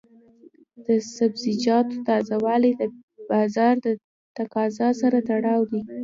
د سبزیجاتو تازه والی د بازار د تقاضا سره تړلی دی.